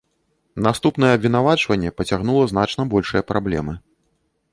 Наступнае абвінавачванне пацягнула значна большыя праблемы.